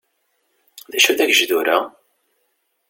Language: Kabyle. D acu dagejdur-a?